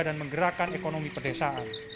dan menggerakkan ekonomi pedesaan